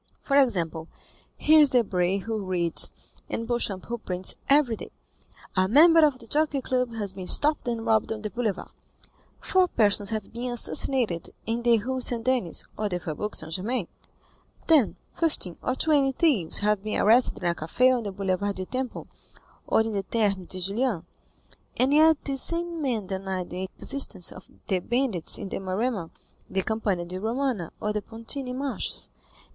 For example, here is Debray who reads, and Beauchamp who prints, every day, 'A member of the Jockey Club has been stopped and robbed on the Boulevard;' 'four persons have been assassinated in the Rue St. Denis' or 'the Faubourg St. Germain;' 'ten, fifteen, or twenty thieves, have been arrested in a café on the Boulevard du Temple, or in the Thermes de Julien,'—and yet these same men deny the existence of the bandits in the Maremma, the Campagna di Romana, or the Pontine Marshes.